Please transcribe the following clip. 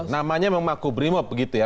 namanya memang makubrimob begitu ya